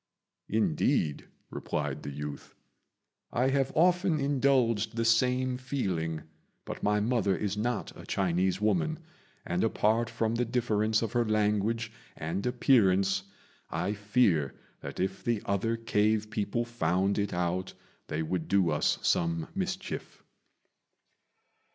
"Indeed," replied the youth, "I have often indulged the same feeling; but my mother is not a Chinese woman, and, apart from the difference of her language and appearance, I fear that if the other cave people found it out they would do us some mischief."